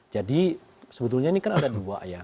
jadi sebetulnya ini kan ada dua ya